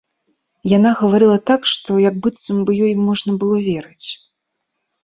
Яна гаварыла так, што як быццам бы ёй можна было верыць.